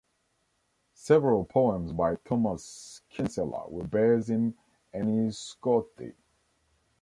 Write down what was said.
Several poems by Thomas Kinsella were based in Enniscorthy.